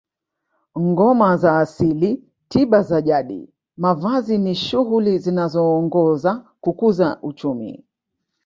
Ngoma za asili tiba za jadi mavazi ni shughuli zinazoongoza kukuza uchumi